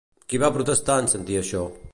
Qui va protestar en sentir això?